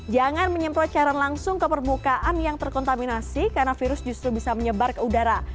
jangan menyemprot cairan langsung ke permukaan yang terkontaminasi karena virus justru bisa menyebar ke udara